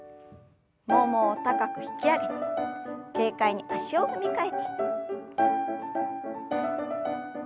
ももを高く引き上げて軽快に足を踏み替えて。